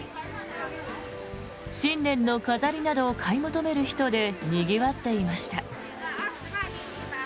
新年の飾りなどを買い求める人でにぎわっていました。